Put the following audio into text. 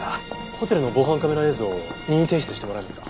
ホテルの防犯カメラ映像を任意提出してもらえますか？